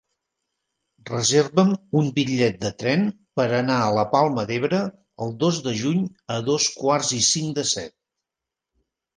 Reserva'm un bitllet de tren per anar a la Palma d'Ebre el dos de juny a dos quarts i cinc de set.